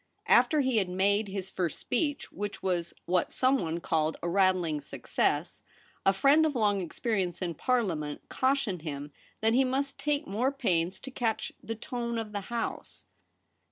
After he had made his first speech — which VOL. I. 13 194 THE REBEL ROSE. was what someone called ' a rattling success '— a friend of long experience in Parliament cautioned him that he must take more pains to catch the tone of the House.